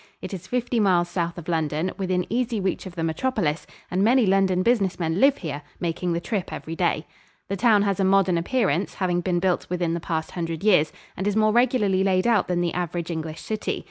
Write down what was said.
It is fifty miles south of London, within easy reach of the metropolis, and many London business men live here, making the trip every day. The town has a modern appearance, having been built within the past hundred years, and is more regularly laid out than the average English city.